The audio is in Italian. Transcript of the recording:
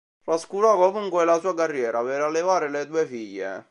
Trascurò comunque la sua carriera per allevare le due figlie.